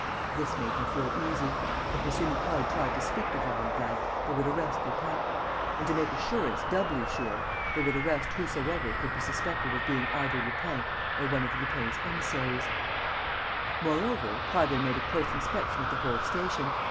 This made him feel easy. If M. Nicole tried to speak to Vorenglade, they would arrest Lupin. And, to make assurance doubly sure, they would arrest whosoever could be suspected of being either Lupin or one of Lupin's emissaries. Moreover, Prasville made a close inspection of the whole station.